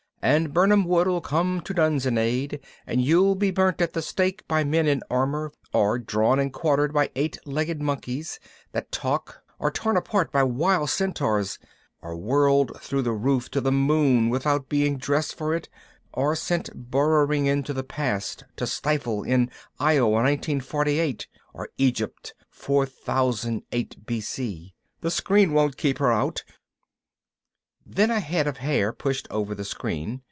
And Birnam Wood'll come to Dunsinane and you'll be burnt at the stake by men in armor or drawn and quartered by eight legged monkeys that talk or torn apart by wild centaurs or whirled through the roof to the moon without being dressed for it or sent burrowing into the past to stifle in Iowa 1948 or Egypt 4,008 B.C. The screen won't keep her out._ Then a head of hair pushed over the screen.